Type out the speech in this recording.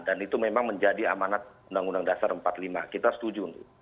dan itu memang menjadi amanat undang undang dasar empat puluh lima kita setuju